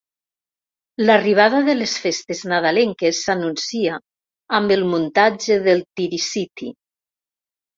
L'arribada de les festes nadalenques s'anuncia amb el muntatge del Tirisiti.